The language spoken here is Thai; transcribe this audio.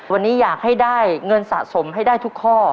วันนี้อยากให้ได้เงินสะสมให้ได้ทุกข้อ